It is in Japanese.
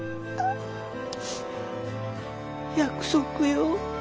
約束よ。